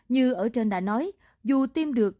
như ở trên đã nói dù tiêm được